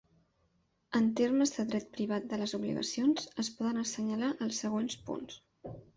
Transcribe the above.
En termes de dret privat de les obligacions, es poden assenyalar els següents punts.